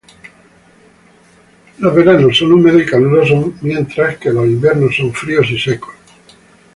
Los veranos son húmedos y calurosos mientras que los inviernos son fríos y secos.